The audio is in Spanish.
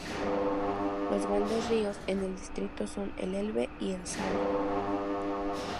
Los grandes ríos en el distrito son el Elbe y el Saale.